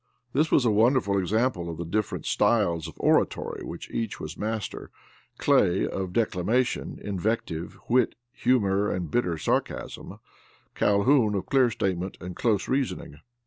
This was a wonderful example of the different styles of oratory of which each was master; Clay, of declamation, invective, wit, humor and bitter sarcasm; Calhoun of clear statement and close reasoning.